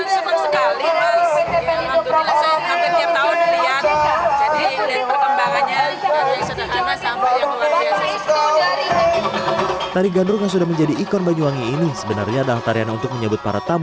syukur sekali mas yang waktu ini langsung sampai tiap tahun terlihat